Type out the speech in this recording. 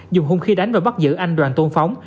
dùng hung khí đánh và bắt giữ anh đoàn tôn phóng